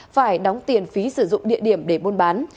phải đóng tiền phí sử dụng địa điểm để buôn bán